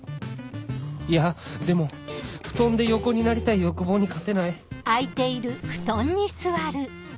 いやでも布団で横になりたい欲望に勝てない